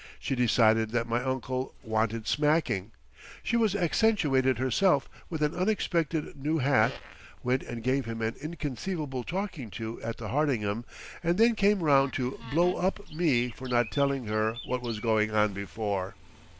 She decided that my uncle "wanted smacking." She accentuated herself with an unexpected new hat, went and gave him an inconceivable talking to at the Hardingham, and then came round to "blow up" me for not telling her what was going on before....